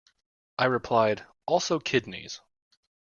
I replied: 'also kidneys'.